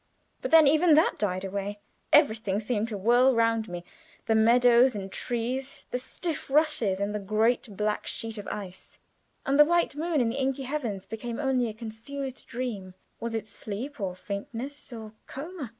But then even that died away. Everything seemed to whirl round me the meadows and trees, the stiff rushes and the great black sheet of ice, and the white moon in the inky heavens became only a confused dream. Was it sleep or faintness, or coma?